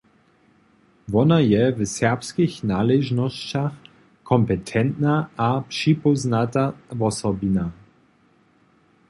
Wona je w serbskich naležnosćach kompetentna a připóznata wosobina.